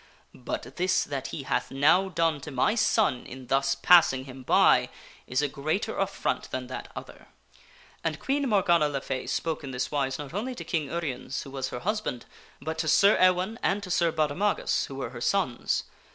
But this that he hath now done to my son in thus passing him by is a greater affront than that other." And Queen Morgana le Fay spake in this wise not only to King Uriens, who was her husband, but to Sir Ewaine and to Sir Baudemagus, who were her sons.